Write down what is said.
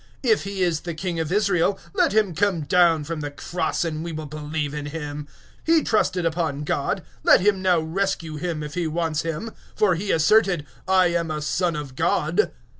If he is King of Israel, let him now come down from the cross, and we will believe on him. (43)He trusts in God; let him now deliver him, if he desires him; for he said I am the Son of God.